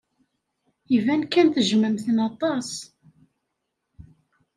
Iban kan tejjmem-ten aṭas.